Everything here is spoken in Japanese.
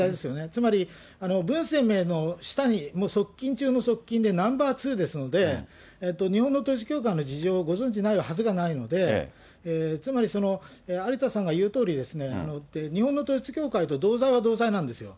つまり、文鮮明の下に、側近中の側近でナンバー２ですので、日本の統一教会の事情をご存じないはずがないので、つまり、有田さんが言うとおりですね、日本の統一教会と同罪は同罪なんですよ。